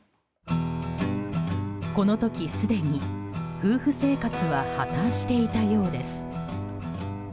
この時、すでに夫婦生活は破綻していたようです。